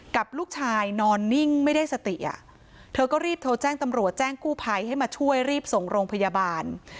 กับลูกชายนอนนิ่งไม่ได้สติอ่ะเธอก็รีบโทรแจ้งตำรวจแจ้งกู้ภัยให้มาช่วยรีบส่งโรงพยาบาล